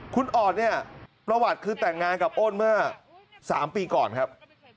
คุณออดเนี่ยประวัติคือแต่งงานกับโอนเมื่อ๓ปีก่อนครับ